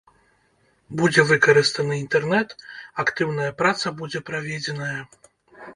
Будзе выкарыстаны інтэрнэт, актыўная праца будзе праведзеная.